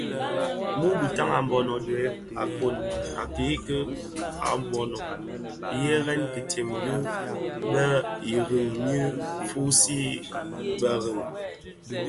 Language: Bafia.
Muu bitaň a mbono dhi agon I kiiki a Mbona ndhenèn kitsè dhi bè lè Iring ñyi fusii barèn.